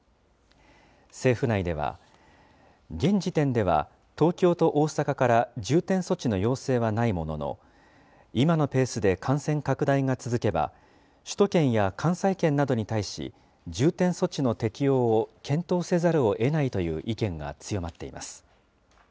政府内では、現時点では、東京と大阪から重点措置の要請はないものの、今のペースで感染拡大が続けば、首都圏や関西圏などに対し、重点措置の適用を検討せざるをえないという意見が強まっています。